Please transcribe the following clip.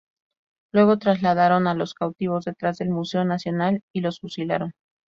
Luego trasladaron a los cautivos detrás del Museo Nacional y los fusilaron.